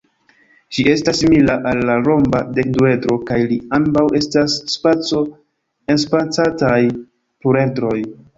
Ĝi estas simila al la romba dekduedro kaj ili ambaŭ estas spaco-enspacantaj pluredroj.